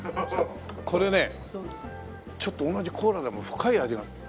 これねちょっとおんなじコーラでも深い味が。